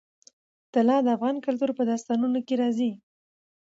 طلا د افغان کلتور په داستانونو کې راځي.